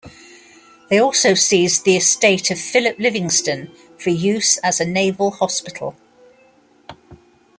They also seized the estate of Philip Livingston for use as a naval hospital.